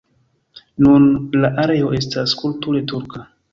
Nun la areo estas kulture turka.